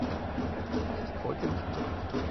Das ist heute nicht möglich.